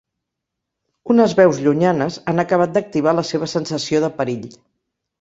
Unes veus llunyanes han acabat d'activar la seva sensació de perill.